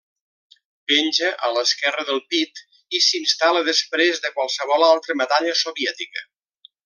Penja a l'esquerra del pit, i s'instal·la després de qualsevol altra medalla soviètica.